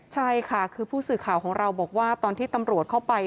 ใช่ค่ะคือผู้สื่อข่าวของเราบอกว่าตอนที่ตำรวจเข้าไป